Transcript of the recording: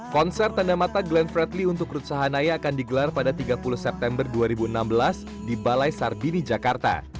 konser tanda mata glenn fredly untuk ruth sahanaya akan digelar pada tiga puluh september dua ribu enam belas di balai sarbini jakarta